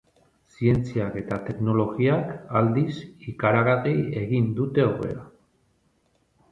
Zientziak eta teknologiak, aldiz, ikaragarri egin dute aurrera.